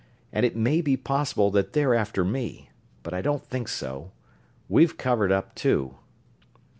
And it may be possible that they're after me, but I don't think so we've covered up too...."